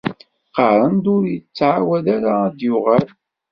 Qqaren-d ur yettɛawad ara d-yuɣal.